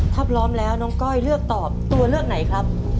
ถ้าพร้อมแล้วน้องก้อยเลือกตอบตัวเลือกไหนครับ